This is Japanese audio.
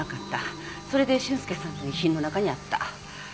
それで俊介さんの遺品の中にあった。